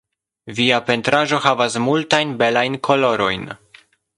Via pentraĵo havas multajn belajn kolorojn.